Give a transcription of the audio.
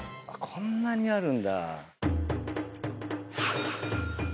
こんなにあるんだ。